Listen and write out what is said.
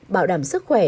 bảo đảm sức khỏe